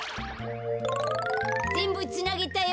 ぜんぶつなげたよ。